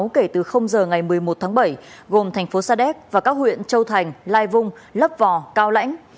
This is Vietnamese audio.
kể từ giờ ngày một mươi một tháng bảy gồm thành phố sa đéc và các huyện châu thành lai vung lấp vò cao lãnh